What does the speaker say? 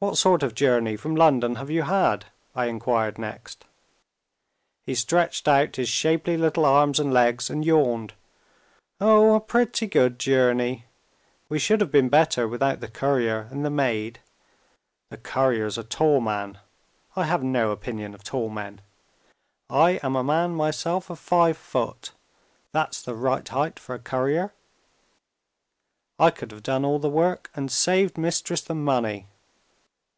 "What sort of journey from London have you had?" I inquired next. He stretched out his shapely little arms and legs, and yawned. "Oh, a pretty good journey. We should have been better without the courier and the maid. The courier is a tall man. I have no opinion of tall men. I am a man myself of five foot that's the right height for a courier. I could have done all the work, and saved Mistress the money.